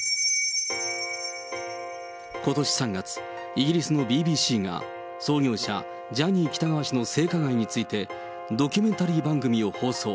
ことし３月、イギリスのＢＢＣが創業者、ジャニー喜多川氏の性加害について、ドキュメンタリー番組を放送。